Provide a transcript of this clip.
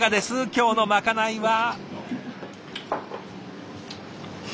今日のまかないは。